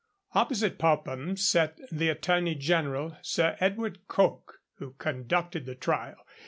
Opposite Popham sat the Attorney General, Sir Edward Coke, who conducted the trial.